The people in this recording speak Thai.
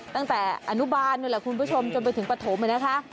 ตั้งแต่อนุบาลนี่แหละคุณผู้ชมจนไปถึงปฐมนะคะ